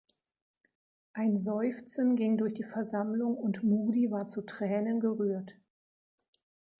Ein Seufzen ging durch die Versammlung und Moody war zu Tränen gerührt.